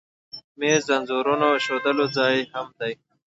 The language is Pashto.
مېز د انځورونو ایښودلو ځای هم دی.